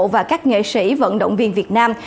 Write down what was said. và các nghệ sĩ vận động viên việt nam